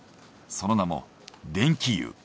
その名も電気湯。